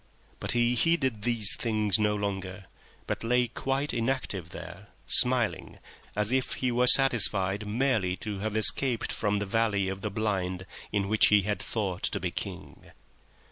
But he heeded these things no longer, but lay quite still there, smiling as if he were content now merely to have escaped from the valley of the Blind, in which he had thought to be King.